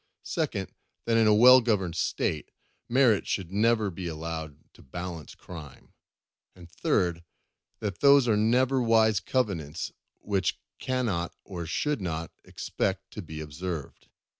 Second, that in a well governed State, merit should never be allowed to balance crime. And third, that those are never wise covenants which we cannot or should not expect to be observed.